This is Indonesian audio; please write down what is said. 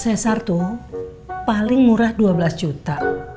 cesar tuh paling murah dua belas juta